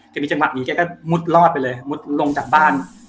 มีจังหวะหนีแกก็มุดรอดไปเลยมุดลงจากบ้าน